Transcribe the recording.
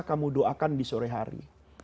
kamu doakan di sore hari